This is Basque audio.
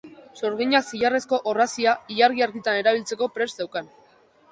Sorginak zilarrezko orrazia ilargi-argitan erabiltzeko prest zeukan.